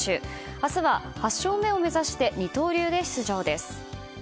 明日は８勝目を目指して二刀流で出場です。